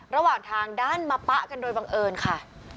ระหว่างทางด้านมาปะกันโดยบังเอิญค่ะ